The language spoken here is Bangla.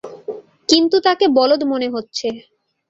কিন্তু তাকে বলদ মনে হচ্ছে।